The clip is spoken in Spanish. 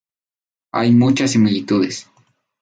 Hay muchas similitudes.